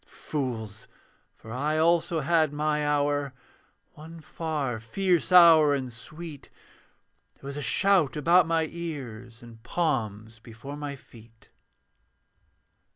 Fools! For I also had my hour; One far fierce hour and sweet: There was a shout about my ears, And palms before my feet.